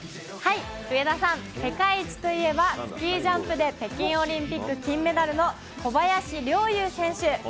上田さん、世界一といえばスキージャンプで北京オリンピック金メダルの小林陵侑選手。